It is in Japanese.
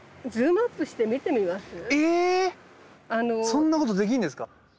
そんなことできるんですか！